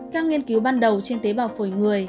các nghiên cứu ban đầu trên tế bào phim